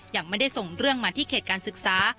ยังไม่ได้ส่งเรื่องมาที่เขตการศึกษา